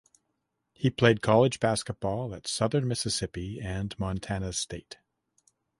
He played college basketball at Southern Mississippi and Montana State.